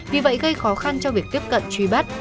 vì vậy gây khó khăn cho việc tiếp cận truy bắt